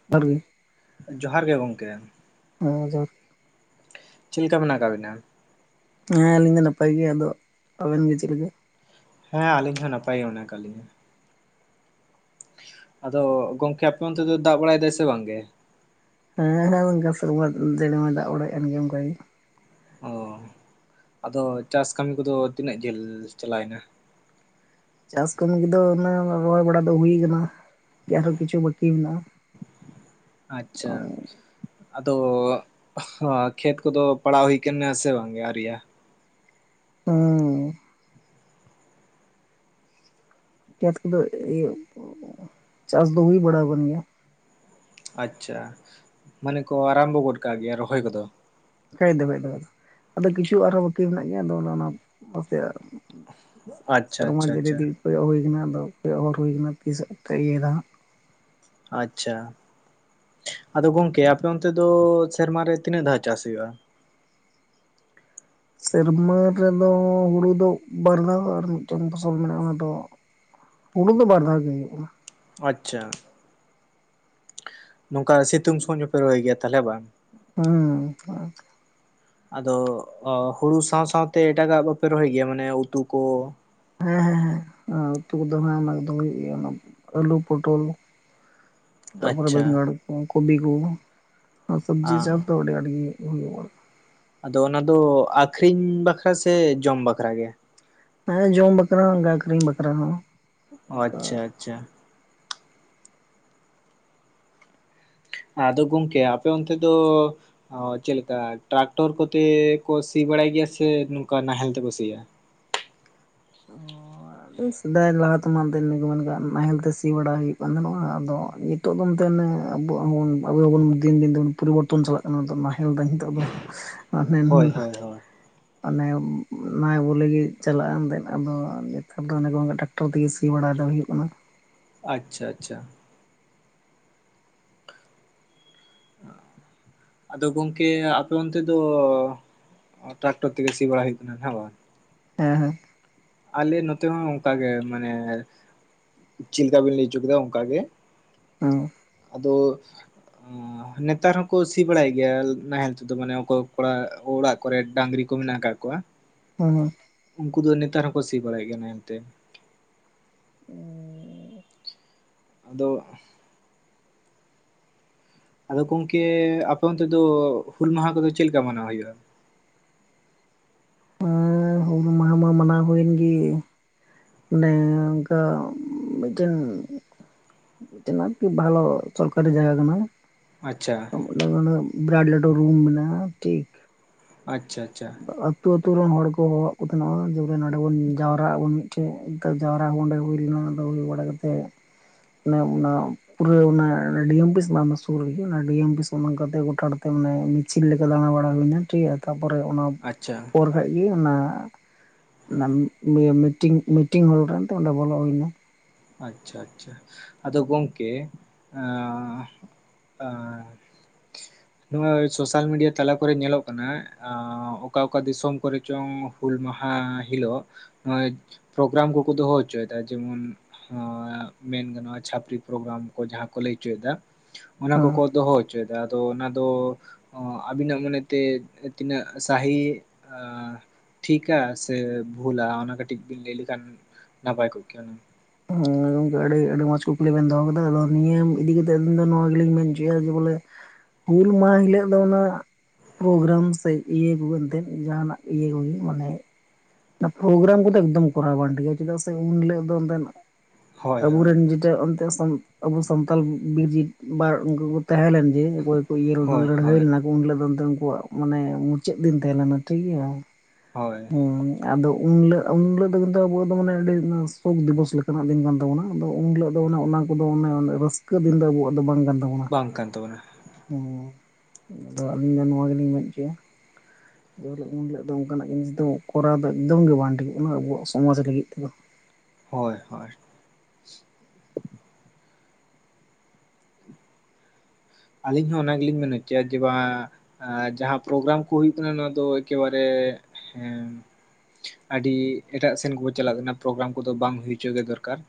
[unintelligible] ᱡᱚᱦᱟᱨ ᱜᱮ ᱜᱚᱢᱠᱮ ᱦᱮᱸ ᱡᱚᱦᱟᱨ ᱪᱮ ᱞᱮᱠᱟ ᱢᱮᱱᱟᱜ ᱟᱠᱟᱫᱵᱤᱱᱟ᱾ ᱦᱮᱸ ᱟᱹᱞᱤᱧ ᱫᱚ ᱱᱟᱯᱟᱭ ᱜᱮ ᱟᱫᱚ ᱟᱵᱮᱱ ᱜᱮ ᱪᱮᱫ ᱞᱮᱠᱟ? ᱦᱮᱸ ᱟᱹᱞᱤᱧ ᱦᱚᱸ ᱱᱟᱯᱟᱭ ᱜᱮ ᱟᱠᱟᱜ ᱞᱤᱧᱟ᱾ ᱟᱫᱚ, ᱜᱚᱝᱠᱮ ᱟᱯᱮ ᱚᱱᱛᱮ ᱫᱚ ᱫᱟᱜ ᱵᱟᱲᱟᱭ ᱫᱟᱭ ᱥᱮ ᱵᱟᱝᱜᱮ? ᱦᱮᱸ ᱦᱮᱸ ᱚᱝᱠᱟ ᱥᱮᱨᱢᱟ ᱫᱤᱱᱟᱹᱢ ᱮ ᱫᱟᱜ ᱵᱟᱲᱟᱭᱮᱫ ᱠᱟᱱ ᱜᱮᱭᱟ, ᱚᱱᱠᱟᱜᱮ᱾ ᱚ ᱟᱫᱚ ᱪᱟᱥ ᱠᱟᱹᱢᱤ ᱠᱚᱫᱚ ᱛᱤᱱᱟᱹᱜ ᱡᱷᱟᱹᱞ ᱪᱟᱞᱟᱣᱮᱱᱟ? ᱪᱟᱥ ᱠᱟᱹᱢᱤ ᱠᱚᱫᱚ ᱚᱱᱮ ᱨᱚᱦᱚᱭ ᱵᱟᱲᱟ ᱫᱚ ᱦᱩᱭ ᱟᱠᱟᱱᱟ, ᱟᱨᱦᱚᱸ ᱠᱤᱪᱷᱩ ᱵᱟᱹᱠᱤ ᱢᱮᱱᱟᱜᱼᱟ᱾ ᱟᱪᱪᱷᱟ᱾ ᱟᱫᱚ ᱠᱷᱮᱛ ᱠᱚᱫᱚ ᱯᱟᱲᱟᱣ ᱦᱩᱭ ᱠᱟᱱᱟ ᱥᱮ, ᱵᱟᱝᱜᱮ ᱟᱣᱨᱤᱭᱟ? ᱵᱟᱝ᱾ ᱠᱷᱮᱛ ᱠᱚᱫᱚ ᱤᱭᱟᱹ, ᱪᱟᱥ ᱫᱚ ᱦᱩᱭ ᱵᱟᱲᱟ ᱟᱠᱟᱱ ᱜᱮᱭᱟ᱾ ᱟᱪᱪᱷᱟ, ᱢᱟᱱᱮ ᱠᱚ ᱟᱨᱟᱢᱵᱚ ᱜᱚᱫ ᱠᱟᱜ ᱜᱮᱭᱟ ᱨᱚᱦᱚᱭ ᱠᱚᱫᱚ᱾ ᱮᱠ ᱫᱚᱢ ᱮᱠᱫᱚᱢ ᱫᱚᱢ, ᱟᱫᱚ ᱠᱤᱪᱷᱩ ᱟᱨᱦᱚᱸ ᱵᱟᱹᱠᱤ ᱢᱮᱱᱟᱜ ᱜᱮᱭᱟ, ᱟᱫᱚ ᱯᱟᱥᱮ ᱟᱪᱪᱷᱟ ᱥᱮᱨᱢᱟ ᱟᱪᱪᱷᱟ ᱡᱟᱲᱤ ᱟᱪᱪᱷᱟ ᱫᱤᱱ ᱠᱚᱭᱚᱜ ᱦᱩᱭ ᱠᱟᱱᱟ, ᱟᱫᱚ ᱠᱚᱭᱚᱜ ᱦᱚᱨ ᱦᱩᱭ ᱠᱟᱱᱟ, ᱛᱤᱥ ᱮ ᱛᱮ ᱤᱭᱟᱹᱭ ᱫᱟᱸᱦᱟ᱾ ᱟᱪᱪᱷᱟ᱾ ᱟᱫᱚ ᱜᱚᱝᱠᱮ ᱟᱯᱮ ᱚᱱᱛᱮ ᱫᱚ ᱥᱮᱨᱢᱟᱨᱮ ᱛᱤᱱᱟᱹᱜ ᱫᱷᱟᱣ ᱪᱟᱥ ᱦᱩᱭᱩᱜᱼᱟ? ᱥᱮᱨᱢᱟ ᱨᱮᱫᱚ ᱦᱩᱲᱩ ᱫᱚ ᱵᱟᱨᱫᱟᱣ, ᱟᱨ ᱢᱤᱫᱴᱟᱹᱝ ᱫᱚ ᱥᱚᱞ ᱢᱮᱱᱟᱼᱟ ᱚᱱᱟ ᱫᱚ᱾ ᱦᱩᱲᱩ ᱫᱚ ᱵᱟᱨ ᱫᱷᱟᱣ ᱜᱮ ᱦᱩᱭᱩᱜᱼᱟ᱾ ᱟᱪᱪᱷᱟ, ᱱᱚᱝᱠᱟ ᱥᱤᱛᱩᱝ ᱥᱚᱢᱚᱭ ᱫᱚᱸᱯᱮ ᱨᱚᱦᱚᱭ ᱜᱮᱭᱟ, ᱛᱟᱦᱞᱮ ᱵᱟᱝ? ᱦᱩᱸᱼᱢ᱾ [inaudible] ᱟᱫᱚ, ᱚ ᱦᱩᱲᱩ ᱥᱟᱶ ᱥᱟᱶᱛᱮ ᱮᱴᱟᱜᱼᱟᱜ ᱵᱟᱯᱮ ᱨᱚᱦᱚᱭ ᱜᱮᱭᱟ, ᱢᱟᱱᱮ ᱩᱛᱩ ᱠᱚ ᱦᱮᱸ ᱦᱮᱸ ᱦᱮᱸ, ᱟᱸ ᱩᱛᱩ ᱠᱚ ᱫᱚ ᱦᱟᱸᱜ ᱚᱱᱟ ᱠᱚᱫᱚ ᱜᱮᱭᱟ ᱟᱞᱩ, ᱯᱚᱴᱚᱞ ᱛᱟᱯᱚᱨᱮ ᱟᱪᱪᱷᱟ ᱵᱮᱸᱜᱟᱲ ᱠᱚ ᱠᱩᱵᱤ ᱠᱩ, ᱟᱸ ᱥᱚᱵᱡᱤ ᱪᱟᱥ ᱫᱚ ᱟᱹᱰᱤ ᱟᱸᱴ ᱜᱤ ᱦᱩᱭᱩᱜᱼᱟ᱾ ᱟᱫᱚ ᱚᱱᱟ ᱫᱚ ᱟᱠᱷᱨᱤᱧ ᱵᱟᱠᱷᱨᱟ ᱥᱮ ᱡᱚᱢ ᱵᱟᱠᱷᱨᱟ ᱜᱮ? ᱦᱮᱸ ᱡᱚᱢ ᱵᱟᱠᱷᱨᱟ ᱦᱚᱸ, ᱟᱹᱠᱷᱨᱤᱧ ᱵᱟᱠᱷᱨᱟ ᱦᱚᱸ᱾ ᱚ ᱚᱱᱠᱟ ᱟᱪᱪᱷᱟ ᱟᱪᱪᱷᱟ᱾ ᱟᱫᱚ ᱜᱚᱢᱠᱮ ᱟᱯᱮ ᱚᱱᱛᱮ ᱫᱚ ᱚ ᱪᱮᱫ ᱞᱮᱠᱟ, ᱴᱨᱟᱠᱴᱚᱨ ᱠᱚᱛᱮ ᱠᱚ ᱥᱤ ᱵᱟᱲᱟᱭ ᱜᱮᱭᱟ, ᱥᱮ ᱱᱚᱝᱠᱟ ᱱᱟᱦᱮᱞ ᱛᱮᱠᱚ ᱥᱤᱭᱟ? [inaudible] ᱮᱸ ᱥᱮᱫᱟᱭ ᱞᱟᱦᱟ ᱛᱮᱢᱟ ᱫᱤᱱ ᱨᱮᱜᱮ ᱠᱚ ᱢᱮᱱ ᱠᱟᱣᱼᱟ, ᱱᱟᱦᱮᱞ ᱛᱮ ᱥᱤ ᱵᱟᱲᱟ ᱦᱩᱭᱩᱜ ᱠᱟᱱ ᱛᱟᱦᱮᱱᱚᱜᱼᱟ, ᱟᱫᱚ ᱧᱤᱛ ᱱᱤᱛᱚᱜ ᱫᱚ ᱚᱱᱛᱮ ᱢᱟᱱᱮ ᱟᱵᱚᱼᱟᱜ ᱦᱚᱸᱵᱚᱱ ᱵᱷᱟᱜᱤ ᱭᱟᱜ ᱵᱚᱱ ᱫᱤᱱ ᱫᱤᱱ ᱫᱚᱵᱚᱱ ᱯᱚᱨᱤᱵᱚᱨᱛᱚᱱ ᱪᱟᱞᱟᱜ ᱠᱟᱱᱟ ᱵᱚᱱ ᱛᱚ, ᱱᱟᱦᱮᱞ ᱫᱚ ᱱᱤᱛᱚᱜ ᱫᱚ᱾ ᱦᱳᱭ ᱦᱳᱭ ᱦᱳᱭ᱾ ᱢᱚᱱᱮ ᱱᱟᱭ ᱵᱚᱞᱮ ᱜᱮ ᱪᱟᱞᱟᱜᱼᱟ, ᱮᱱᱛᱮᱫ ᱟᱫᱚ ᱱᱮᱛᱟᱨ ᱫᱚ ᱚᱱᱮ ᱠᱚᱸ [unintelligible] ᱴᱨᱟᱠᱴᱚᱨ ᱛᱮᱜᱮ ᱥᱤ ᱵᱟᱲᱟᱭ ᱫᱚ ᱦᱩᱭᱩᱜ ᱠᱟᱱᱟ᱾ ᱟᱪᱪᱷᱟ ᱟᱪᱪᱷᱟ᱾ ᱟᱫᱚ ᱜᱚᱝᱠᱮ ᱟᱯᱮ ᱚᱱᱛᱮ ᱫᱚ ᱚᱸ ᱴᱟᱠᱴᱚᱨ ᱛᱮ ᱜᱮ ᱥᱤ ᱵᱟᱲᱟᱭ ᱦᱩᱭᱩᱜ ᱠᱟᱱᱟ, ᱦᱮᱸ ᱵᱟᱝ? ᱦᱮᱸ ᱦᱮᱸ᱾ ᱟᱞᱮ ᱱᱚᱛᱮ ᱦᱚᱸ ᱚᱱᱠᱟ ᱜᱮ, ᱢᱟᱱᱮ ᱪᱮᱫ ᱞᱮᱠᱟᱵᱤᱱ ᱞᱟᱹᱭ ᱦᱚᱪᱚ ᱠᱮᱫᱟ ᱚᱱᱠᱟ ᱜᱮ᱾ ᱚᱸᱻ᱾ ᱟᱫᱚ ᱟᱸᱻ ᱱᱮᱛᱟᱨ ᱦᱚᱸᱠᱩ ᱥᱤ ᱵᱟᱲᱟᱭᱮᱫ ᱜᱮᱭᱟ, ᱱᱟᱦᱮᱞ ᱛᱮᱫᱚ ᱢᱟᱱᱮ ᱚᱠᱚᱭ ᱠᱚᱲᱟ ᱚᱲᱟᱜ ᱠᱚᱨᱮ ᱰᱟᱝᱨᱤ ᱠᱚ ᱢᱮᱱᱟᱜ ᱟᱠᱟᱫ ᱠᱚᱣᱟ᱾ [inaudible] ᱦᱩᱸ ᱦᱩᱸ᱾ ᱩᱱᱠᱩ ᱫᱚ ᱱᱮᱛᱟᱨ ᱦᱚᱸᱠᱚ ᱥᱤ ᱵᱟᱲᱟ ᱭᱮᱫ ᱜᱮᱭᱟ ᱱᱟᱦᱮᱞ ᱛᱮ᱾ ᱦᱮᱸ ᱟᱫᱚ ᱟᱫᱚ ᱠᱚᱝᱠᱮ ᱟᱯᱮ ᱚᱱᱛᱮ ᱫᱚ ᱦᱩᱞ ᱢᱟᱦᱟ ᱠᱚᱫᱚ ᱪᱮᱫ ᱞᱮᱠᱟ ᱢᱟᱱᱟᱣ ᱦᱩᱭᱩᱜᱼᱟ? ᱟᱸ ᱦᱩᱞ ᱢᱟᱦᱟ ᱢᱟ ᱢᱟᱱᱟᱣ ᱦᱩᱭᱮᱱ ᱜᱤ ᱢᱟᱱᱮ ᱚᱱᱮ ᱚᱝᱠᱟ ᱢᱤᱫ ᱴᱮᱱ ᱢᱟᱱᱮ ᱟᱨᱠᱤ ᱵᱷᱟᱞᱚ ᱥᱚᱨᱠᱟᱨᱤ ᱡᱟᱭᱜᱟ ᱠᱟᱱᱟ᱾ ᱟᱪᱪᱷᱟ᱾ ᱚᱱᱟ ᱵᱞᱚᱴ ᱞᱟᱴᱩ ᱢᱮᱱᱟᱜᱼᱟ ᱨᱩᱢ ᱴᱷᱤᱠ ᱟᱪᱪᱷᱟ ᱟᱪᱪᱷᱟ ᱟᱹᱛᱩ ᱟᱹᱛᱩ ᱨᱮᱱ ᱦᱚᱲ ᱠᱚ ᱦᱚᱦᱚᱣᱟᱜ ᱠᱚ ᱛᱟᱦᱮᱱᱟ ᱡᱮ ᱱᱚᱸᱰᱮ ᱵᱚᱱ ᱡᱟᱣᱨᱟᱜ ᱟᱵᱚᱱ ᱢᱤᱫᱴᱮᱱ᱾ ᱡᱟᱣᱨᱟ ᱚᱸᱰᱮ ᱦᱩᱭ ᱞᱮᱱᱟ ᱟᱫᱚ ᱦᱩᱭ ᱵᱟᱲᱟ ᱠᱟᱛᱮᱫ ᱚᱱᱮ ᱚᱱᱟ᱾ ᱯᱩᱨᱟᱹ ᱚᱱᱟ ᱰᱤ. ᱮᱢ ᱟᱹᱯᱤᱥ ᱥᱩᱨ ᱨᱮ ᱰᱤᱹ ᱮᱢ ᱚᱱᱟ [inaudible] ᱜᱚᱴᱟ ᱛᱮ ᱪᱤᱫ ᱞᱮᱠᱟ ᱫᱟᱬᱟ ᱵᱟᱲᱟ ᱦᱩᱭᱱᱟ ᱴᱷᱤᱠᱭᱟ ᱛᱟᱯᱚᱨᱮ ᱚᱱᱟ ᱟᱪᱪᱷᱟ ᱯᱚᱨ᱾ ᱠᱷᱟᱪ ᱜᱤ ᱚᱱᱟ ᱢᱤᱴᱤᱝ ᱢᱤᱴᱤᱝ ᱦᱚᱞ ᱨᱮᱱ ᱮᱱᱛᱮ ᱚᱸᱰᱮ ᱵᱚᱞᱚ ᱦᱩᱭᱱᱟ᱾ ᱟᱪᱪᱷᱟ ᱟᱪᱪᱷᱟ ᱟᱫᱚ ᱜᱚᱝᱠᱮ ᱟᱻᱟ ᱱᱚᱣᱟ ᱥᱳᱥᱟᱞ ᱢᱤᱰᱤᱭᱟ ᱛᱟᱞᱟ ᱠᱚᱨᱮ ᱧᱮᱸᱞᱚᱜ ᱠᱟᱱᱟ᱾ ᱟᱸᱻ ᱚᱠᱟ ᱚᱠᱟ ᱫᱤᱥᱚᱢ ᱠᱚᱨᱮ ᱪᱚᱝ ᱦᱩᱞ ᱢᱟᱦᱟ ᱦᱤᱞᱳᱜ᱾ ᱱᱚᱜᱼᱚᱭ ᱯᱨᱳᱜᱨᱟᱢ ᱠᱚᱠᱚ ᱫᱚᱦᱚ ᱦᱚᱪᱚᱭᱮᱫᱟ ᱡᱮᱢᱚᱱ᱾ ᱳᱸᱻ ᱢᱮᱱ ᱜᱟᱱᱚᱜᱼᱟ ᱪᱷᱟᱯᱨᱤ ᱯᱨᱳᱜᱨᱟᱢ ᱠᱚ ᱡᱟᱦᱟᱸ ᱠᱚ ᱞᱟᱹᱭ ᱦᱚᱪᱚᱭᱮᱫᱟ ᱚᱱᱟ ᱠᱚᱠᱚ ᱦᱮᱸ ᱫᱚᱦᱚᱭ᱾ ᱪᱤᱭᱫᱟ ᱟᱫᱚ ᱚᱱᱟ ᱫᱚ ᱳ ᱟᱹᱵᱤᱱᱟᱜ ᱢᱟᱱᱮᱛᱮ ᱛᱤᱱᱟᱹᱜ ᱥᱟᱦᱤ ᱟᱻ᱾ ᱴᱷᱤᱠᱟ ᱥᱮ ᱵᱷᱩᱞᱟ ᱚᱱᱟ ᱠᱟᱹᱴᱤᱡ ᱵᱤᱱ ᱞᱟᱹᱭ ᱞᱮᱠᱷᱟᱱ ᱱᱟᱯᱟᱭ ᱠᱚᱜ ᱠᱮᱭᱟ᱾ ᱦᱚᱸᱻ ᱜᱚᱢᱠᱮ ᱟᱹᱰᱤ ᱟᱹᱰᱤ ᱢᱚᱸᱡᱽ ᱠᱚ ᱠᱩᱠᱞᱤ ᱵᱮᱱ ᱫᱚᱦᱚ ᱠᱟᱫᱟ ᱟᱫᱚ ᱱᱤᱭᱟᱹ ᱤᱫᱤ ᱠᱟᱛᱮ ᱫᱚ ᱱᱚᱣᱟ ᱜᱮᱞᱤᱧ ᱢᱮᱱ ᱦᱚᱪᱚᱭᱟᱮ ᱵᱚᱞᱮ᱾ ᱦᱩᱞ ᱢᱟᱦᱟᱸ ᱦᱤᱞᱳᱜ ᱫᱚ ᱚᱱᱟ ᱯᱨᱳᱜᱨᱟᱢ ᱥᱮ ᱤᱭᱟᱹ ᱠᱚ ᱮᱱᱛᱮ ᱡᱟᱦᱟᱱᱟᱜ ᱤᱭᱟᱹ ᱠᱚᱜᱮ ᱢᱟᱱᱮ᱾ ᱚᱱᱟ ᱯᱨᱳᱜᱨᱟᱢ ᱠᱚᱫᱚ ᱮᱠᱫᱚᱢ ᱠᱚᱨᱟᱣ ᱵᱟᱝ ᱴᱷᱤᱠᱟᱹ ᱪᱮᱫᱟᱜ ᱥᱮ ᱩᱱ ᱦᱤᱞᱳ ᱫᱚ ᱚᱱᱛᱮ ᱦᱳᱭ ᱦᱳᱭ ᱟᱵᱚᱨᱮᱱ᱾ ᱚᱱᱛᱮ ᱟᱵᱚ ᱥᱟᱱᱛᱟᱞ ᱵᱤᱨ [inaudible] ᱛᱟᱦᱮᱸ ᱞᱮᱱ ᱡᱮ᱾ ᱤᱭᱟᱹ ᱦᱳᱭ ᱞᱟᱹᱲᱦᱟᱹᱭ ᱦᱳᱭ ᱞᱮᱱᱟ ᱠᱚ ᱩᱱᱦᱤᱞᱳᱜ ᱫᱚ ᱮ ᱩᱱᱠᱩᱣᱟᱜ ᱢᱟᱱᱮ ᱢᱩᱪᱟᱹᱫ ᱫᱤᱱ ᱛᱟᱦᱮᱸ ᱞᱮᱱᱟ ᱴᱷᱤᱠ ᱜᱮᱭᱟ᱾ ᱦᱳᱭ ᱦᱩᱸ ᱟᱫᱚ ᱩᱱᱦᱤᱞᱳᱜ ᱩᱱ ᱦᱤᱞᱳᱜ ᱫᱚ ᱠᱤᱱᱛᱩ ᱟᱵᱚᱣᱟᱜ ᱫᱚ ᱢᱟᱱᱮ ᱟᱹᱰᱤ ᱥᱳᱠ ᱫᱤᱵᱚᱥ ᱞᱮᱠᱟᱱᱟᱜ ᱫᱤᱱ ᱠᱟᱱ ᱛᱟᱵᱚᱱᱟ ᱟᱫᱚ ᱩᱱ ᱦᱤᱞᱳᱜ ᱫᱚ ᱚᱱᱟ᱾ ᱟᱵᱚ ᱫᱚ ᱚᱱᱮ ᱨᱟᱹᱥᱠᱟᱹ ᱫᱤᱱ ᱫᱚ ᱟᱵᱚᱣᱟᱜ ᱫᱚ ᱵᱟᱝ ᱠᱟᱱ ᱛᱟᱵᱚᱱᱟ᱾ ᱵᱟᱝ ᱠᱟᱱ ᱛᱟᱵᱚᱱᱟ ᱚᱻ ᱟᱫᱚ ᱟᱹᱞᱤᱧ ᱫᱚ ᱱᱚᱣᱟ ᱜᱮᱞᱤᱧ ᱢᱮᱱ ᱦᱚᱪᱚᱭᱟ᱾ ᱡᱮ ᱦᱤᱞᱚᱜ ᱩᱱ ᱦᱤᱞᱳ ᱫᱚ ᱚᱱᱠᱟᱱᱟᱜ [inaudible] ᱡᱤᱱᱤᱥ ᱫᱚ ᱠᱚᱨᱟᱣ ᱫᱚ ᱮᱠᱫᱚᱢ ᱜᱮ ᱵᱟᱝ ᱴᱷᱤᱠᱚᱜ ᱠᱟᱱᱟ ᱟᱵᱚᱣᱟᱜ ᱥᱚᱢᱟᱡᱽ ᱞᱟᱹᱜᱤᱫ ᱛᱮᱫᱚ᱾ ᱦᱳᱭ ᱦᱳᱭ ᱟᱹᱞᱤᱧ ᱦᱚᱸ ᱚᱱᱟ ᱜᱮᱞᱤᱧ ᱢᱮᱱ [inaudible] ᱡᱮ ᱵᱟᱝ ᱟᱨ ᱡᱟᱦᱟᱸ ᱯᱨᱳᱜᱨᱟᱢ ᱠᱚ ᱦᱩᱭᱩᱜ ᱠᱟᱱᱟ ᱚᱱᱟ ᱫᱚ ᱮᱠᱮᱵᱟᱨᱮ ᱦᱮᱸ᱾ ᱟᱹᱰᱤ ᱮᱴᱟᱜ ᱥᱮᱱ ᱠᱚᱠᱚ ᱪᱟᱞᱟᱜ ᱠᱟᱱᱟ ᱯᱨᱳᱜᱨᱟᱢ ᱠᱚᱫᱚ ᱵᱟᱝ ᱦᱩᱭ ᱦᱚᱪᱚ ᱜᱮ ᱫᱚᱨᱠᱟᱨ᱾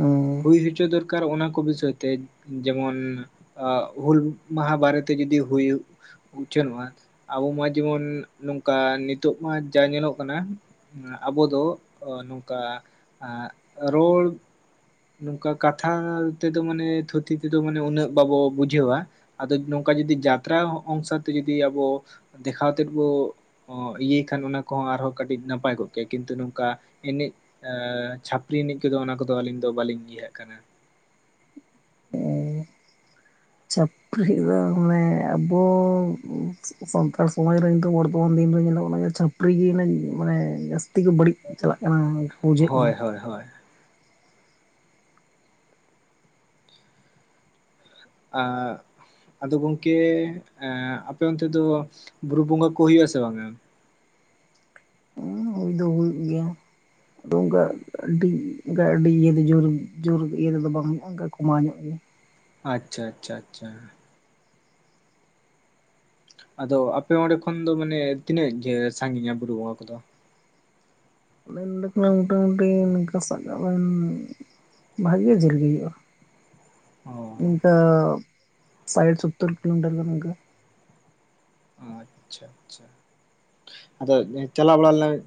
ᱦᱮᱸ ᱦᱩᱭ ᱦᱚᱪᱚ ᱫᱚᱨᱠᱟᱨ ᱚᱱᱟ ᱠᱚ ᱵᱤᱥᱚᱭ ᱛᱮ ᱡᱮᱢᱚᱱ᱾ ᱦᱩᱞ ᱢᱟᱸᱦᱟ ᱵᱟᱨᱮᱛᱮ ᱡᱩᱫᱤ ᱦᱩᱭᱩᱜ ᱩᱪᱷᱟᱹᱱᱚᱜᱼᱟ ᱟᱵᱚ ᱢᱟ ᱡᱮᱢᱚᱱ ᱱᱚᱝᱠᱟ ᱱᱤᱛᱚᱜ ᱢᱟ ᱡᱟ ᱧᱮᱞᱚᱜ ᱠᱟᱱᱟ᱾ ᱟᱵᱚ ᱫᱚ ᱱᱚᱝᱠᱟ ᱨᱚᱲ ᱱᱚᱝᱠᱟ ᱠᱟᱛᱷᱟ ᱛᱮᱫᱚ ᱢᱟᱱᱮ ᱛᱷᱩᱛᱤ ᱛᱮᱫᱚ ᱢᱟᱱᱮ ᱩᱱᱟᱹᱜ ᱵᱟᱵᱚ ᱵᱩᱡᱷᱟᱹᱣᱟ᱾ ᱟᱫᱚ ᱱᱚᱝᱠᱟ ᱡᱚᱫᱤ ᱡᱟᱛᱨᱟ ᱚᱝᱥᱚ ᱛᱮ ᱡᱚᱫᱤ ᱟᱵᱚ ᱫᱮᱠᱷᱟᱣᱛᱮ ᱵᱚ᱾ ᱤᱭᱟᱹᱭ ᱠᱷᱟᱱ ᱚᱱᱟ ᱠᱚᱦᱚᱸ ᱟᱨᱦᱚᱸ ᱠᱟᱹᱴᱤᱡ ᱱᱟᱯᱟᱭ ᱠᱚᱜ ᱠᱮᱭᱟ ᱠᱤᱱᱛᱩ ᱱᱚᱝᱠᱟ ᱮᱱᱮᱡ᱾ ᱮᱸ ᱪᱷᱟᱹᱯᱨᱤ ᱮᱱᱮᱡ ᱠᱚᱫᱚ ᱚᱱᱟ ᱠᱚᱫᱚ ᱟᱹᱞᱤᱧ ᱫᱚ ᱵᱟᱹᱞᱤᱧ ᱤᱭᱟᱸ ᱦᱟᱸᱜ ᱠᱟᱱᱟ᱾ ᱦᱮᱸ ᱪᱷᱟᱹᱯᱨᱤ ᱫᱚ ᱢᱟᱱᱮ ᱟᱵᱚ ᱥᱟᱱᱛᱟᱲ ᱥᱚᱢᱟᱡᱽ ᱨᱮᱱ [inaudible] ᱵᱚᱱ ᱫᱤᱱ ᱫᱚ ᱧᱮᱞᱚᱜ ᱠᱟᱱᱟ ᱪᱷᱟᱹᱯᱨᱤ ᱜᱮ ᱢᱟᱱᱮ ᱡᱟᱹᱥᱛᱤ ᱜᱮ ᱵᱟᱹᱲᱤᱡ ᱪᱟᱞᱟᱜ ᱠᱟᱱᱟ ᱵᱩᱡᱷᱟᱹᱜ ᱠᱟᱱᱟ᱾ ᱦᱳᱭ ᱦᱳᱭ ᱦᱳᱭ ᱟ ᱟᱫᱚ ᱜᱚᱢᱠᱮ ᱟᱯᱮ ᱚᱱᱛᱮ ᱫᱚ ᱵᱩᱨᱩ ᱵᱚᱸᱜᱟ ᱠᱚ ᱦᱩᱭᱩᱜ-ᱟ ᱥᱮ ᱵᱟᱝᱼᱟ᱾ ᱦᱩᱭ ᱫᱚ ᱦᱩᱭᱩᱜ ᱜᱮᱭᱟ ᱟᱫᱚ ᱚᱱᱠᱟ ᱟᱹᱰᱤ ᱚᱱᱠᱟ ᱟᱹᱰᱤ ᱤᱭᱟᱹ ᱫᱚ ᱡᱳᱨ ᱡᱳᱨ ᱤᱭᱟᱹᱮᱫᱚ ᱵᱟᱝ ᱦᱩᱭᱩᱜᱼᱟ ᱚᱱᱠᱟ ᱠᱚᱢᱟᱣ ᱧᱚᱜ ᱜᱮ᱾ ᱟᱪᱪᱷᱟ ᱟᱪᱪᱷᱟ ᱟᱪᱪᱷᱟ ᱟᱫᱚ ᱟᱯᱮ ᱚᱸᱰᱮ ᱠᱷᱚᱱ ᱫᱚ ᱢᱟᱱᱮ ᱛᱤᱱᱟᱹᱜ ᱜᱮ ᱥᱟᱺ ᱜᱤᱧᱟ ᱵᱩᱨᱩ ᱵᱚᱸᱜᱟ ᱠᱚᱫᱚ᱾ ᱢᱮᱱ ᱞᱮᱠᱷᱟᱱ ᱢᱚᱴᱟᱢᱩᱴᱤ ᱤᱱᱠᱟᱹ ᱥᱟᱵ ᱠᱟᱜ ᱵᱤᱱ᱾ ᱵᱷᱟᱜᱮ ᱡᱷᱟᱹᱞ ᱜᱮ ᱦᱩᱭᱩᱜᱼᱟ ᱾ ᱚ ᱤᱱᱠᱟᱹ, ᱥᱟᱰ ᱥᱳᱛᱛᱳᱨ ᱠᱤᱞᱚ ᱢᱤᱴᱟᱨ ᱜᱟᱱ ᱤᱱᱠᱟᱹ ᱾ ᱚ, ᱟᱪᱪᱷᱟ ᱟᱪᱪᱷᱟ ᱾ ᱟᱫᱚ ᱪᱟᱞᱟᱣ ᱵᱟᱲᱟ ᱞᱮᱱᱟ ᱵᱤᱱ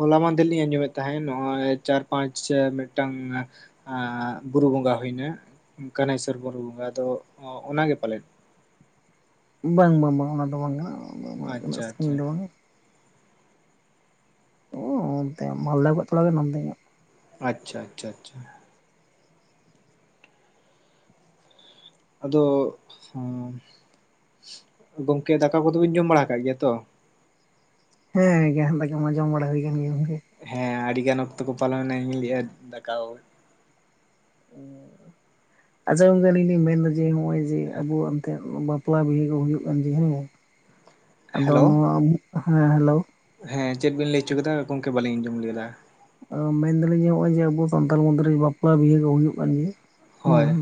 ᱦᱚᱞᱟ ᱢᱟᱦᱫᱮᱨ ᱞᱤᱧ ᱟᱸᱡᱚᱢᱮᱫ ᱛᱟᱦᱮᱸᱫ, ᱱᱚᱜᱼᱚᱭ ᱪᱟᱨ ᱯᱟᱸᱪ ᱢᱤᱫᱴᱟᱝ ᱟᱸ, ᱵᱩᱨᱩ ᱵᱚᱸᱜᱟ ᱦᱩᱭ ᱮᱱᱟ ᱠᱟᱱᱟᱭᱥᱚᱨ ᱵᱩᱨᱩ ᱵᱚᱸᱜᱟ, ᱟᱫᱚ ᱚᱱᱟ ᱜᱮ ᱯᱟᱞᱮᱫ? ᱵᱟᱝ ᱵᱟᱝ ᱵᱟᱝ, ᱚᱱᱟ ᱫᱚ ᱵᱟᱝ ᱠᱟᱱᱟ, ᱩᱱᱟᱹᱜ ᱟᱪᱪᱷᱟ ᱥᱟᱹᱜᱤᱧ ᱟᱪᱪᱷᱟ ᱫᱚ ᱵᱟᱝ-ᱟ ᱾ ᱚᱻ ᱚᱱᱛᱮ ᱢᱟᱞᱫᱟ ᱠᱷᱚᱡ ᱛᱷᱚᱲᱟ ᱜᱮ ᱱᱚᱱᱛᱮ ᱧᱚᱜ ᱾ ᱟᱪᱪᱷᱟ ᱟᱪᱪᱷᱟ ᱟᱪᱪᱷᱟ ᱾ ᱟᱫᱚ, ᱜᱚᱢᱠᱮ ᱫᱟᱠᱟ ᱠᱚᱫᱚ ᱵᱤᱱ ᱡᱚᱢ ᱵᱟᱲᱟ ᱟᱠᱟᱫ ᱜᱮᱭᱟ ᱛᱚ? ᱦᱮᱸ ᱜᱮ, ᱫᱟᱠᱟ ᱢᱟ ᱡᱚᱢ ᱵᱟᱲᱟ ᱦᱩᱭ ᱟᱠᱟᱱ ᱜᱮᱭᱟ ᱜᱚᱢᱠᱮ ᱾ ᱦᱮᱸ ᱟᱹᱰᱤ ᱜᱟᱱ ᱚᱠᱛᱚ ᱠᱚ ᱯᱚᱞᱚᱢ ᱮᱱᱟ, ᱤᱧ ᱤᱧ ᱞᱟᱹᱭᱮᱫᱼᱟ ᱫᱟᱠᱟ ᱟᱪᱪᱷᱟ ᱜᱚᱢᱠᱮ, ᱟᱞᱤᱧ ᱞᱤᱧ ᱢᱮᱱ ᱮᱫᱟ ᱡᱮ ᱱᱚᱜᱼᱚᱭ ᱡᱮ ᱟᱵᱚᱣᱟᱜ ᱚᱱᱛᱮ ᱵᱟᱯᱞᱟ ᱵᱤᱦᱟᱹ ᱠᱚ ᱦᱩᱭᱩᱜ ᱠᱟᱱ ᱡᱮ ᱦᱮᱸ, ᱟᱫᱚ ᱦᱮᱞᱳ ᱱᱚᱣᱟ ᱦᱮᱸ ᱦᱮᱞᱳ ᱦᱮᱸ, ᱪᱮᱫ ᱵᱤᱱ ᱞᱟᱹᱭ ᱦᱚᱪᱚ ᱠᱮᱫᱟ ᱜᱚᱢᱠᱮ ᱵᱟᱹᱞᱤᱧ ᱟᱸᱡᱚᱢ ᱞᱮᱫᱟ ᱾ ᱢᱮᱱ ᱮᱫᱟᱞᱤᱧ ᱡᱮ ᱱᱚᱜᱼᱚᱭ ᱡᱮ ᱟᱵᱚ ᱥᱟᱱᱛᱟᱲ ᱢᱚᱫᱽᱫᱷᱮ ᱨᱮ ᱵᱟᱯᱞᱟ ᱵᱤᱦᱟᱹ ᱠᱚ ᱦᱩᱭᱩᱜ ᱠᱟᱱ ᱜᱮᱭᱟ ᱾ ᱦᱳᱭ ᱦᱮᱸ,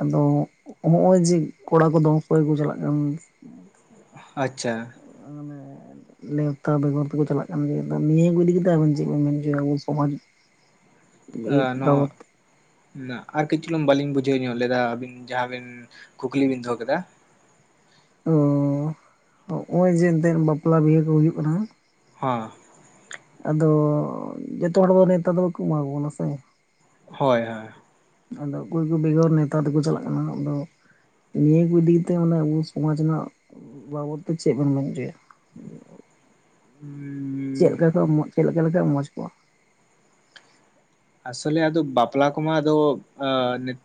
ᱟᱫᱚ ᱦᱚᱜᱼᱚᱭ ᱡᱮ ᱠᱚᱲᱟ ᱠᱚᱫᱚ ᱫᱚᱢᱮ ᱠᱚ ᱪᱟᱞᱟᱜ ᱠᱟᱱ ᱟᱪᱪᱷᱟ ᱾ ᱠᱚᱲᱟ ᱢᱟᱱᱮ ᱱᱮᱣᱛᱟ ᱵᱮᱜᱚᱨ ᱛᱮᱠᱚ ᱪᱟᱞᱟᱜ ᱠᱟᱱ ᱜᱮᱭᱟ ᱾ ᱟᱫᱚ ᱱᱤᱭᱟᱹ ᱠᱚ ᱤᱫᱤ ᱠᱟᱛᱮᱫ ᱟᱵᱮᱱ ᱪᱮᱫ ᱵᱮᱱ ᱢᱮᱱ ᱦᱚᱪᱚᱭᱟ, ᱟᱵᱚ ᱥᱚᱢᱟᱡᱽ ᱮ ᱱᱚᱣᱟ ᱵᱟᱵᱚᱫ ᱟᱨ ᱠᱟᱹᱡ ᱪᱩᱞᱩᱝ ᱵᱟᱞᱤᱧ ᱵᱩᱡᱷᱟᱹᱣ ᱧᱚᱜ ᱞᱮᱫᱟ, ᱟᱵᱤᱱ ᱡᱟᱦᱟᱸ ᱵᱤᱱ ᱠᱩᱠᱞᱤ ᱵᱤᱱ ᱫᱚᱦᱚ ᱠᱮᱫᱟ ᱚ, ᱦᱚᱜᱼᱚᱭ ᱡᱮ ᱮᱱᱛᱮᱫ ᱵᱟᱯᱞᱟ ᱵᱤᱦᱟᱹ ᱠᱚ ᱦᱩᱭᱩᱜ ᱠᱟᱱᱟ᱾ ᱦᱮᱸ᱾ ᱟᱫᱚ ᱡᱚᱛᱚ ᱦᱚᱲ ᱫᱚ ᱱᱮᱣᱛᱟ ᱫᱚ ᱵᱟᱠᱚ ᱮᱢᱟ ᱵᱚᱱᱟ ᱥᱮ ᱦᱳᱭ ᱦᱳᱭ ᱾ ᱟᱫᱚ ᱚᱠᱚᱭ ᱠᱚ ᱵᱮᱜᱚᱨ ᱱᱮᱣᱛᱟ ᱛᱮᱠᱚ ᱪᱟᱞᱟᱜ ᱠᱟᱱᱟ ᱾ᱟᱫᱚ ᱱᱤᱭᱟᱹ ᱠᱚ ᱤᱫᱤ ᱠᱟᱛᱮ, ᱢᱟᱱᱮ ᱟᱵᱚ ᱥᱚᱢᱟᱡᱽ ᱨᱮᱱᱟᱜ ᱵᱟᱵᱚᱫ ᱛᱮ ᱪᱮᱫ ᱵᱮᱱ ᱢᱮᱱ ᱦᱚᱪᱚᱭᱟ ᱾ ᱪᱮᱫ ᱞᱮᱠᱟ ᱠᱚ, ᱪᱮᱫ ᱞᱮᱠᱟ ᱞᱮᱠᱷᱟᱡ ᱢᱚᱡᱽ ᱠᱚᱜ-ᱟ? ᱟᱥᱚᱞᱮ ᱟᱫᱚ ᱵᱟᱯᱞᱟ ᱠᱚᱢᱟ ᱟᱫᱚ ᱱᱮᱛ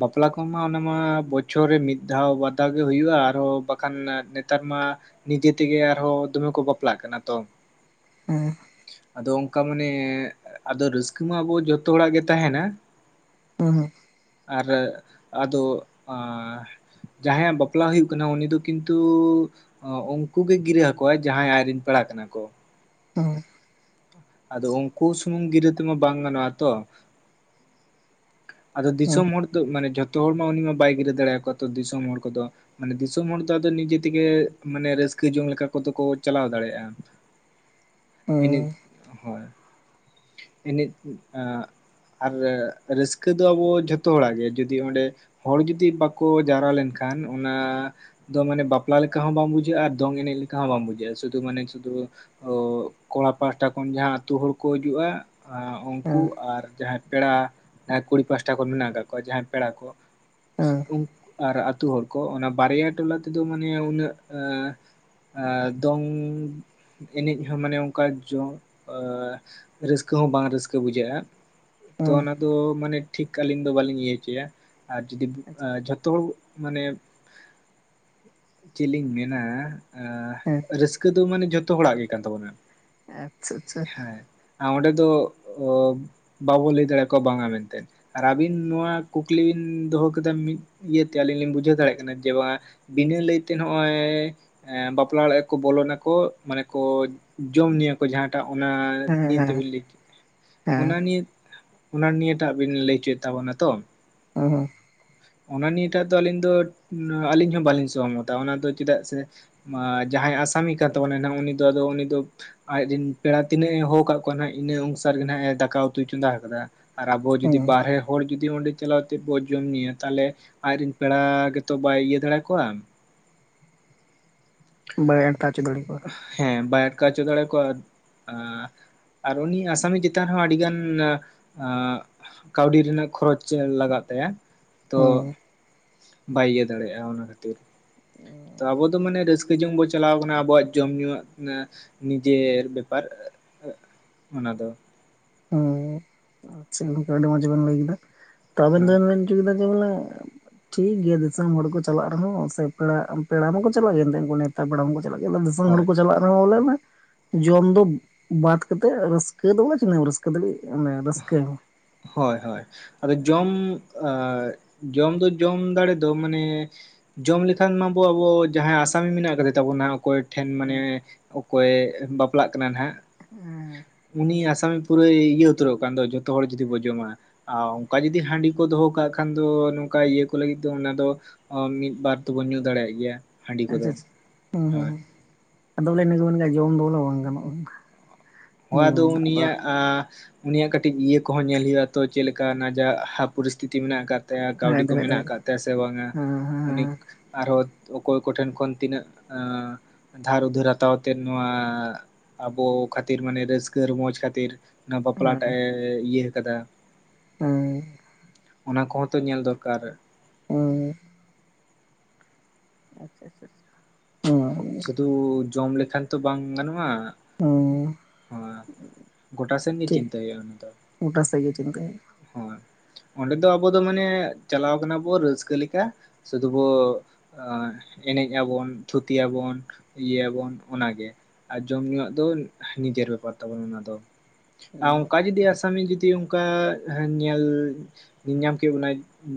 ᱵᱟᱯᱞᱟ ᱠᱚᱢᱟ ᱚᱱᱟᱢᱟ ᱵᱚᱪᱷᱚᱨ ᱨᱮ ᱢᱤᱫ ᱫᱷᱟᱣ ᱵᱟᱨ ᱫᱷᱟᱣ ᱜᱮ ᱦᱩᱭᱩᱜᱼᱟ, ᱟᱨᱦᱚᱸ ᱵᱟᱠᱷᱟᱱ ᱱᱮᱛᱟᱨ ᱢᱟ ᱱᱤᱡᱮ ᱛᱮᱜᱮ ᱟᱨᱦᱚᱸ ᱫᱚᱢᱮ ᱠᱚ ᱵᱟᱯᱞᱟᱜ ᱠᱟᱱᱟ, ᱛᱚ ᱦᱮᱸ ᱾ ᱟᱫᱚ ᱚᱱᱠᱟ ᱢᱟᱱᱮ ᱟᱫᱚ ᱨᱟᱹᱥᱠᱟᱹ ᱢᱟ ᱟᱵᱚ ᱡᱚᱛᱚ ᱦᱚᱲᱟᱜ ᱜᱮ ᱛᱟᱦᱮᱱᱟ ᱾ ᱦᱮᱸ ᱦᱮᱸ ᱾ ᱟᱨ ᱟᱫᱚ, ᱟ ᱡᱟᱦᱟᱸᱭᱟᱜ ᱵᱟᱯᱞᱟ ᱦᱩᱭᱩᱜ ᱠᱟᱱᱟ ᱩᱱᱤ ᱫᱚ ᱠᱤᱱᱛᱩ ᱚ, ᱩᱱᱠᱩ ᱜᱮ ᱜᱤᱨᱟᱹ ᱟᱠᱚᱣᱟ ᱡᱟᱦᱟᱸᱭ ᱟᱡ ᱨᱮᱱ ᱯᱮᱲᱟ ᱠᱟᱱᱟ ᱠᱚ ᱾ ᱦᱳᱭ ᱾ ᱟᱫᱚ ᱩᱱᱠᱩ ᱥᱩᱢᱩᱝ ᱜᱤᱨᱟᱹ ᱛᱮᱢᱟ ᱵᱟᱝ ᱜᱟᱱᱚᱜᱼᱟ ᱛᱚ ᱾ ᱟᱫᱚ ᱦᱮᱸ ᱫᱤᱥᱚᱢ ᱦᱚᱲ ᱫᱚ, ᱢᱟᱱᱮ ᱡᱷᱚᱛᱚ ᱦᱚᱲ ᱢᱟ ᱩᱱᱤ ᱢᱟ ᱵᱟᱭ ᱜᱤᱨᱟᱹ ᱫᱟᱲᱮᱭᱟᱠᱚᱣᱟ ᱛᱚ ᱫᱤᱥᱚᱢ ᱦᱚᱲ ᱠᱚᱫᱚ ᱢᱟᱱᱮ ᱫᱤᱥᱚᱢ ᱦᱚᱲ ᱫᱚ ᱟᱫᱚ ᱱᱤᱡᱮ ᱛᱮᱜᱮ, ᱢᱟᱱᱮ ᱨᱟᱹᱥᱠᱟᱹ ᱡᱚᱝ ᱞᱮᱠᱟ ᱠᱚᱫᱚ ᱠᱚ ᱪᱟᱞᱟᱣ ᱫᱟᱲᱮᱭᱟᱜᱼᱟ ᱾ ᱮᱱᱮᱡ, ᱦᱳᱭ ᱾ ᱮᱱᱮᱡ ᱟᱨ ᱨᱟᱹᱥᱠᱟᱹ ᱫᱚ ᱟᱵᱚ ᱡᱷᱚᱛᱚ ᱦᱚᱲᱟᱜ ᱜᱮ, ᱡᱩᱫᱤ ᱚᱸᱰᱮ ᱦᱚᱲ ᱡᱩᱫᱤ ᱵᱟᱠᱚ ᱡᱟᱣᱨᱟ ᱞᱮᱱᱠᱷᱟᱱ ᱚᱱᱟ ᱫᱚ ᱢᱟᱱᱮ ᱵᱟᱯᱞᱟ ᱞᱮᱠᱟ ᱦᱚᱸ ᱵᱟᱝ ᱵᱩᱡᱷᱟᱹᱜᱼᱟ ᱟᱨ ᱫᱚᱝ ᱮᱱᱮᱡ ᱞᱮᱠᱟ ᱦᱚᱸ ᱵᱟᱝ ᱵᱩᱡᱷᱟᱹᱜᱼᱟ ᱾ ᱥᱩᱫᱷᱩ ᱢᱟᱱᱮ ᱥᱩᱫᱷᱩ ᱚ, ᱠᱚᱲᱟ ᱯᱟᱦᱟᱴᱟ ᱠᱷᱚᱱ ᱡᱟᱦᱟᱸ ᱟᱹᱛᱩ ᱦᱚᱲ ᱠᱚ ᱦᱤᱡᱩᱜᱼᱟ ᱩᱱᱠᱩ ᱟᱨ ᱡᱟᱦᱟᱸᱭ ᱯᱮᱲᱟ ᱠᱩᱲᱤ ᱯᱟᱥᱴᱟ ᱠᱷᱚᱱ ᱢᱮᱱᱟᱜ ᱟᱠᱟᱫ ᱠᱚᱣᱟ ᱡᱟᱦᱟᱸᱭ ᱯᱮᱲᱟ ᱠᱚ ᱾ ᱦᱮᱸ ᱦᱮᱸ ᱩᱱᱠ, ᱟᱨ ᱟᱹᱛᱩ ᱦᱚᱲ ᱠᱚ ᱚᱱᱟ ᱵᱟᱨᱭᱟ ᱴᱚᱞᱟ ᱛᱮᱫᱚ ᱢᱟᱱᱮ ᱩᱱᱟᱹᱜ ᱮ, ᱫᱚᱝ ᱮᱱᱮᱡ ᱦᱚᱸ ᱢᱟᱱᱮ ᱚᱱᱠᱟ ᱡᱚᱢᱠᱟᱣ ᱨᱟᱹᱥᱠᱟᱹ ᱦᱚᱸ ᱵᱟᱝ ᱨᱟᱹᱥᱠᱟᱹ ᱵᱩᱡᱷᱟᱹᱜᱼᱟ ᱛᱚ ᱦᱮᱸ ᱚᱱᱟ ᱫᱚ ᱢᱟᱱᱮ ᱴᱷᱤᱠ ᱟᱹᱞᱤᱧ ᱫᱚ ᱵᱟᱹᱞᱤᱧ ᱤᱭᱟᱹ ᱦᱚᱪᱚᱭᱟ ᱟᱨ ᱡᱩᱫᱤ ᱡᱷᱚᱛᱚ ᱦᱚᱲ ᱢᱟᱱᱮ ᱪᱮᱫ ᱞᱤᱧ ᱢᱮᱱᱟ ᱟᱻ ᱦᱮᱸ ᱨᱟᱹᱥᱠᱟᱹ ᱫᱚ ᱢᱟᱱᱮ ᱡᱷᱚᱛᱚ ᱦᱚᱲᱟᱜ ᱜᱮ ᱠᱟᱱ ᱛᱟᱵᱚᱱᱟ᱾ ᱟᱪᱪᱷᱟ ᱟᱪᱪᱷᱟ ᱟ ᱚᱸᱰᱮ ᱦᱮᱸ ᱫᱚ ᱵᱟᱵᱚ ᱞᱟᱹᱭ ᱫᱟᱲᱮᱠᱚᱣᱟ ᱵᱟᱝᱟ ᱢᱮᱱᱛᱮ᱾ ᱟᱨ ᱟᱹᱵᱤᱱ ᱱᱚᱣᱟ ᱠᱩᱠᱞᱤ ᱵᱤᱱ ᱫᱚᱦᱚ ᱠᱟᱫᱟ ᱢᱤᱫ ᱤᱭᱟᱹᱛᱮ ᱟᱹᱞᱤᱧ ᱞᱤᱧ ᱵᱩᱡᱷᱟᱹᱣ ᱫᱟᱲᱮᱭᱟᱜ ᱠᱟᱱᱟ ᱡᱮ ᱵᱟᱝᱟ, ᱵᱤᱱᱟᱹ ᱞᱟᱹᱭᱛᱮ ᱱᱚᱜᱼᱚᱭ ᱵᱟᱯᱞᱟ ᱚᱲᱟᱜᱼᱟᱠᱚ ᱵᱚᱞᱚᱱᱟᱠᱚ ᱢᱟᱱᱮ ᱠᱚ ᱡᱚᱢ ᱧᱩᱭᱟᱠᱚ ᱡᱟᱦᱟᱸᱴᱟᱜ ᱚᱱᱟ ᱱᱤᱭᱟᱹ ᱦᱮᱸ ᱛᱮᱵᱤᱱ ᱞᱟᱹᱭ ᱠᱮᱫ ᱦᱮᱸ ᱚᱱᱟ ᱱᱤᱭᱮ ᱚᱱᱟ ᱱᱤᱭᱟᱹᱴᱟᱜ ᱵᱤᱱ ᱞᱟᱹᱭᱪᱚᱭᱮᱫ ᱛᱟᱵᱚᱱᱟ ᱛᱚ᱾ ᱦᱚ ᱦᱚ ᱚᱱᱟ ᱱᱤᱭᱟᱹᱮ ᱴᱟᱜ ᱫᱚ ᱟᱹᱞᱤᱧ ᱫᱚ ᱟᱹᱞᱤᱧ ᱦᱚᱸ ᱵᱟᱹᱞᱤᱧ ᱥᱚᱦᱚᱢᱚᱛᱟ ᱚᱱᱟ ᱫᱚ ᱪᱮᱫᱟᱜ ᱥᱮ ᱡᱟᱦᱟᱸᱭ ᱟᱥᱟᱢᱤ ᱠᱟᱱ ᱛᱟᱵᱚᱱᱟᱭ ᱱᱟᱜ ᱩᱱᱤ ᱫᱚ ᱟᱫᱚ ᱩᱱᱤ ᱫᱚ ᱟᱡᱨᱮᱱ ᱯᱮᱲᱟ ᱛᱤᱱᱟᱹᱜ ᱮ ᱦᱳᱠ ᱠᱟᱜ ᱠᱚᱣᱟ ᱱᱟᱜ ᱤᱱᱟᱹ ᱚᱱᱥᱟᱨ ᱜᱮ ᱱᱟᱦᱟᱸᱜᱼ ᱮ ᱫᱟᱠᱟ ᱩᱛᱩᱭ ᱪᱚᱸᱫᱟ ᱟᱠᱟᱫᱟ ᱟᱨ ᱟᱵᱚ ᱡᱩᱫᱤ ᱦᱮᱸ ᱵᱟᱨᱦᱮ ᱦᱚᱲ ᱡᱩᱫᱤ ᱚᱸᱰᱮ ᱪᱟᱞᱟᱣᱛᱮᱫ ᱵᱚ ᱡᱚᱢ ᱧᱩᱭᱟ, ᱛᱟᱦᱚᱞᱮ ᱟᱡᱨᱮᱱ ᱯᱮᱲᱟ ᱜᱮᱛᱚ ᱵᱟᱭ ᱤᱭᱟᱹ ᱫᱟᱲᱮᱭᱟ ᱠᱚᱣᱟ᱾ ᱵᱟᱹᱭ [unintelligible] ᱦᱮᱸ ᱵᱟᱭ ᱟᱴᱠᱟᱣᱪᱚ ᱫᱟᱲᱮ ᱟᱠᱚᱣᱟ᱾ ᱟᱨ ᱩᱱᱤ ᱟᱥᱟᱢᱤ ᱪᱮᱛᱟᱱ ᱦᱚᱸ ᱟᱹᱰᱤᱜᱟᱱ ᱟᱸ ᱠᱟᱹᱣᱰᱤ ᱨᱮᱱᱟᱜ ᱠᱷᱚᱨᱚᱪ ᱞᱟᱜᱟᱜ ᱛᱟᱭᱟ᱾ ᱛᱚ ᱦᱮᱸ ᱵᱟᱭ ᱤᱭᱟᱹ ᱫᱟᱲᱮᱭᱟᱜᱼᱟ ᱚᱱᱟ ᱠᱷᱟᱹᱛᱤᱨ᱾ ᱛᱚ ᱟᱵᱚ ᱫᱚ ᱢᱟᱱᱮ ᱨᱟᱹᱥᱠᱟᱹ ᱡᱚᱝ ᱵᱚᱱ ᱪᱟᱞᱟᱣ ᱠᱟᱱᱟ ᱟᱵᱚᱣᱟᱜ ᱡᱚᱢ ᱧᱩᱣᱟᱜ ᱢᱟᱱᱮ ᱱᱤᱡᱮᱨ ᱵᱮᱯᱟᱨ ᱚᱱᱟ ᱫᱚ ᱦᱮᱸ ᱟᱪᱪᱷᱟ ᱜᱚᱝᱠᱮ ᱟᱹᱰᱤ ᱢᱚᱸᱡᱽ ᱵᱮᱱ ᱞᱟᱹᱭ ᱠᱮᱫᱟ᱾ ᱛᱚ ᱟᱵᱮᱱ ᱫᱚᱵᱮᱱ ᱢᱮᱱ ᱦᱚᱪᱚ ᱠᱮᱫᱟ ᱡᱮ ᱵᱚᱞᱮ ᱴᱷᱤᱠ ᱜᱮᱭᱟ ᱫᱤᱥᱚᱢ ᱦᱚᱲ ᱠᱚ ᱪᱟᱞᱟᱜ ᱨᱮᱦᱚᱸ ᱥᱮ ᱯᱮᱲᱟ ᱯᱮᱲᱟ ᱢᱟᱠᱚ ᱪᱟᱞᱟᱜ ᱜᱮᱭᱟ ᱮᱛᱮ ᱩᱱᱠᱩ ᱱᱟ ᱯᱮᱲᱟ ᱢᱟᱠᱚ ᱪᱟᱞᱟᱜᱮ ᱫᱤᱥᱚᱢ ᱦᱚᱲ ᱦᱳᱭ ᱠᱚ ᱪᱟᱞᱟᱜ ᱨᱮᱦᱚᱸ ᱵᱚ ᱞᱟᱹᱭ ᱢᱮ᱾ ᱡᱚᱢ ᱫᱚ ᱵᱟᱫᱽ ᱠᱟᱛᱮᱫ ᱨᱟᱹᱥᱠᱟᱹ ᱫᱚ ᱵᱚᱞᱮ ᱛᱤᱱᱟᱹᱜ ᱮᱢ ᱨᱟᱹᱥᱠᱟᱹ ᱫᱟᱲᱮᱭᱟᱜ ᱢᱟᱱᱮ ᱦᱳᱭ ᱦᱳᱭ ᱟᱫᱚ ᱡᱚᱢ ᱟᱨ ᱡᱚᱢ ᱫᱚ ᱡᱚᱢ ᱫᱟᱲᱮ ᱫᱚ ᱢᱟᱱᱮ ᱡᱚᱢ ᱞᱮᱠᱷᱟᱱ ᱢᱟᱵᱚ ᱟᱵᱚ ᱡᱟᱦᱟᱸᱭ ᱟᱥᱟᱢᱤ ᱢᱮᱱᱟᱜ ᱟᱠᱟᱫᱮ ᱛᱟᱵᱚᱱᱟ ᱚᱠᱚᱭ ᱴᱷᱮᱱ ᱢᱟᱱᱮ ᱚᱠᱚᱭ ᱵᱟᱯᱞᱟᱜ ᱠᱟᱱᱟ ᱱᱟᱦᱟᱸᱜ ᱩᱱᱤ ᱟᱥᱟᱢᱤ ᱯᱩᱨᱟᱹᱭ ᱤᱭᱟᱹ ᱩᱛᱟᱹᱨᱚᱜ ᱠᱟᱱ ᱫᱚ ᱡᱷᱚᱛᱚ ᱦᱚᱲ ᱡᱩᱫᱤ ᱵᱚᱱ ᱡᱚᱢᱟ᱾ ᱟᱨ ᱚᱱᱠᱟ ᱡᱩᱫᱤ ᱦᱟᱺᱰᱤ ᱠᱚ ᱫᱚᱦᱚ ᱠᱟᱜ ᱠᱷᱟᱱ ᱫᱚ ᱱᱚᱝᱠᱟ ᱤᱭᱟᱹ ᱠᱚ ᱞᱟᱹᱜᱤᱫ ᱫᱚ ᱚᱱᱟ ᱫᱚ ᱢᱤᱫᱵᱟᱨ ᱫᱚᱵᱚᱱ ᱧᱩ ᱫᱟᱲᱮᱭᱟᱜ ᱜᱮᱭᱟ᱾ ᱦᱟᱺᱰᱤ ᱟᱪᱪᱷᱟ ᱠᱚᱫᱚ ᱟᱪᱪᱷᱟ ᱦᱮᱸ ᱦᱳᱭ ᱦᱮᱸ ᱟᱫᱚ ᱵᱚᱞᱮ ᱤᱱᱟᱹ ᱠᱚ ᱢᱮᱱ ᱜᱮ ᱡᱚᱢ ᱫᱚ ᱵᱚᱞᱮ ᱵᱟᱝ ᱜᱟᱱᱚᱜᱼᱟ᱾ ᱦᱳᱭ ᱟᱫᱚ ᱩᱱᱤᱭᱟᱜ ᱟᱻ ᱩᱱᱤᱭᱟᱜ ᱠᱟᱹᱴᱤᱡ ᱤᱭᱟᱹ ᱠᱚᱦᱚᱸ ᱧᱮᱞᱳᱭᱼᱟ ᱛᱚ ᱪᱮᱫ ᱞᱮᱠᱟ ᱱᱟᱡᱟᱜ ᱯᱚᱨᱤᱥᱛᱤᱛᱤ ᱢᱮᱱᱟᱜ ᱟᱠᱟᱫ ᱛᱟᱭᱟ ᱠᱟᱹᱣᱰᱤ ᱦᱮᱸ ᱠᱚ ᱫᱚᱦᱚᱭ ᱢᱮᱱᱟᱜ ᱫᱚᱦᱚᱭ ᱦᱮᱸ ᱦᱮᱸ ᱦᱮᱸ ᱦᱮᱸ ᱟᱠᱟᱫ ᱛᱟᱭᱟ ᱥᱮ ᱵᱟᱝᱟ ᱦᱮᱸ ᱩᱱᱤ ᱟᱨᱦᱚᱸ ᱚᱠᱚᱭ ᱠᱚᱴᱷᱮᱱ ᱠᱷᱚᱱ ᱛᱤᱱᱟᱹᱜ ᱟᱻ ᱫᱷᱟᱨ ᱩᱫᱷᱟᱹᱨ ᱦᱟᱛᱟᱣ ᱛᱮ ᱱᱚᱣᱟ ᱟᱵᱚ ᱠᱷᱟᱹᱛ ᱛᱤᱨ ᱢᱟᱱᱮ ᱨᱟᱹᱥᱠᱟᱹ ᱨᱚᱢᱡᱽ ᱠᱷᱟᱹᱛᱤᱨ ᱚᱱᱟ ᱵᱟᱯᱞᱟ ᱴᱟᱜ ᱮ ᱤᱭᱟᱹ ᱠᱟᱫᱟ᱾ ᱦᱩᱸ ᱚᱱᱟ ᱠᱚᱦᱚᱸ ᱛᱚ ᱧᱮᱞ ᱫᱚᱨᱠᱟᱨ᱾ ᱦᱳᱭ ᱟᱪᱪᱷᱟ ᱟᱪᱪᱷᱟ ᱦᱩᱸ ᱥᱩᱫᱩ ᱡᱚᱢ ᱞᱮᱠᱷᱟᱱ ᱛᱚ ᱵᱟᱝ ᱜᱟᱱᱚᱜᱼᱟ᱾ ᱦᱩᱸ ᱦᱚᱸ ᱜᱚᱴᱟ ᱥᱮᱱ ᱜᱮ ᱴᱷᱤᱠ ᱪᱤᱱᱛᱟᱹᱭᱼᱟ ᱚᱱᱟ ᱫᱚ᱾ ᱜᱚᱴᱟ ᱥᱮᱫ ᱜᱮ ᱪᱤᱱᱛᱟᱹ ᱦᱩᱭᱩᱜᱼᱟ ᱦᱳᱭ ᱚᱸᱰᱮ ᱫᱚ ᱟᱵᱚ ᱫᱚ ᱢᱟᱱᱮ ᱪᱟᱞᱟᱣ ᱠᱟᱱᱟ ᱵᱚ ᱨᱟᱹᱥᱠᱟᱹ ᱞᱮᱠᱟ ᱥᱩᱫᱩ ᱵᱚ ᱮᱱᱮᱡ ᱟᱵᱚᱱ ᱛᱷᱩᱛᱤᱭᱟᱵᱚᱱ ᱤᱭᱟᱹᱭᱟᱵᱚᱱ ᱚᱱᱟᱜᱮ ᱟᱨ ᱡᱚᱢ ᱧᱩᱣᱟᱜ ᱫᱚ ᱱᱤᱡᱮᱨ ᱵᱮᱯᱟᱨ ᱛᱟᱵᱚ ᱚᱱᱟ ᱫᱚ ᱟᱨ ᱦᱩᱸ ᱚᱱᱠᱟ ᱡᱩᱫᱤ ᱟᱥᱟᱢᱤ ᱡᱩᱫᱤ ᱚᱱᱠᱟ ᱧᱮᱞ ᱧᱟᱢ ᱠᱮᱫ ᱵᱚᱱᱟᱭ